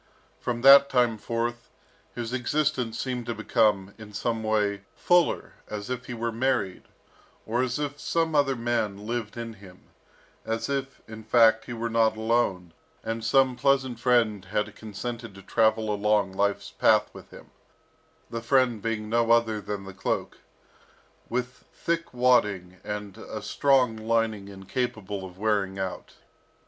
From that time forth, his existence seemed to become, in some way, fuller, as if he were married, or as if some other man lived in him, as if, in fact, he were not alone, and some pleasant friend had consented to travel along life's path with him, the friend being no other than the cloak, with thick wadding and a strong lining incapable of wearing out.